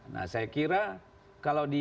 nah saya kira kalau di